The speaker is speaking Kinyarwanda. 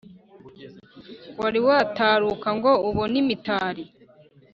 Wari wataruka ngo ubone Imitali